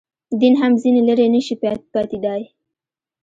دین هم ځنې لرې نه شي پاتېدای.